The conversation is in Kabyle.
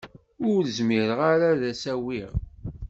Ur zmireɣ ara ad s-awiɣ.